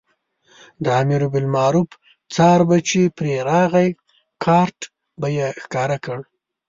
د امربالمعروف څار به چې پرې راغی کارټ به یې ښکاره کړ.